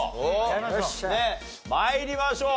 参りましょう。